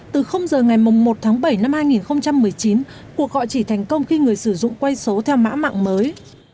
từ giờ ngày một tháng bảy năm hai nghìn một mươi chín cuộc gọi chỉ thành công khi người sử dụng quay số theo mã mạng mới